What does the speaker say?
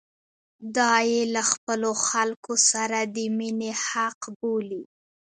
دا یې له خپلو خلکو سره د مینې حق بولي.